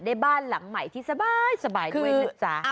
บ้านหลังใหม่ที่สบายด้วยนะจ๊ะ